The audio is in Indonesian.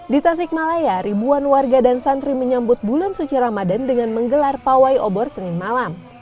di tasikmalaya ribuan warga dan santri menyambut bulan suci ramadan dengan menggelar pawai obor senin malam